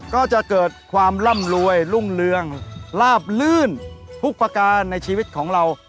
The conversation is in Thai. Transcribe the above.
ก็จะเกิดความร่ำรวยรุ่งเรืองลาบลื่นทุกประการในชีวิตของเรา